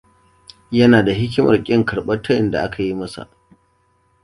Yana da hikimar kin karɓar tayin da aka yi masa.